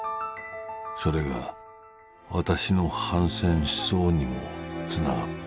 それが私の反戦思想にもつながっている」。